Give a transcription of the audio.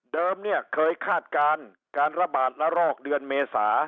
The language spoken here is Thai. เนี่ยเคยคาดการณ์การระบาดระรอกเดือนเมษา